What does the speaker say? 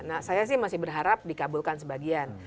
nah saya sih masih berharap dikabulkan sebagian